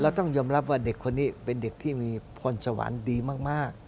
ต้องยอมรับว่าเด็กคนนี้เป็นเด็กที่มีพรสวรรค์ดีมาก